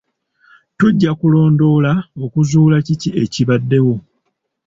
Tujja kulondoola okuzuula kiki ekibaddewo.